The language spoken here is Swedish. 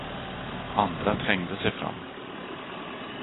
Andra trängde sig fram.